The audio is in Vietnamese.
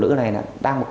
vì phạm đã bảo là